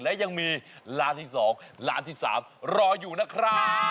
และยังมีร้านที่๒ร้านที่๓รออยู่นะครับ